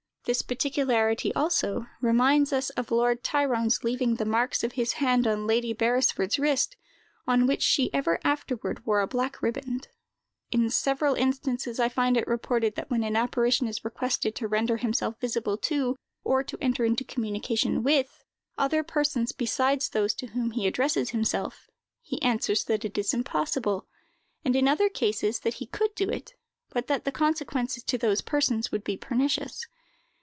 This particularity, also, reminds us of Lord Tyrone's leaving the marks of his hand on Lady Beresord's wrist, on which she ever afterward wore a black riband. In several instances I find it reported that when an apparition is requested to render himself visible to, or to enter into communication with, other persons besides those to whom he addresses himself, he answers that it is impossible; and in other cases, that he could do it, but that the consequences to those persons would be pernicious.